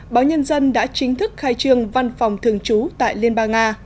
báo nhân dân đã chính thức khai trường văn phòng thường trú tại liên bang nga